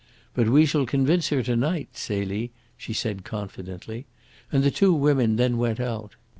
"But we shall convince her to night, Celie," she said confidently; and the two women then went out.